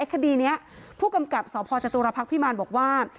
คดีนี้ผู้กำกับสพจตุรพักษ์พิมารบอกว่า